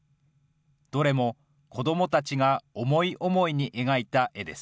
どれも子どもたちが思い思いに描いた絵です。